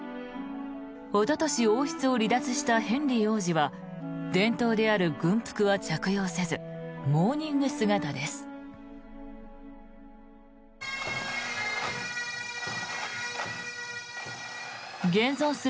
おととし王室を離脱したヘンリー王子は伝統である軍服は着用せずモーニング姿です。